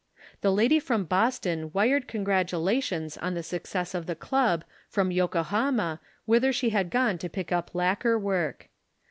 The lady from Boston wired congratulations on the success of the Club from Yokohama whither she had gone to pick up lacquer work.